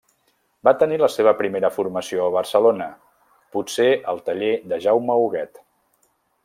Va tenir la seva primera formació a Barcelona, potser al taller de Jaume Huguet.